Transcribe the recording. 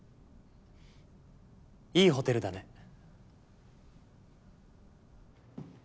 いいホテルだね。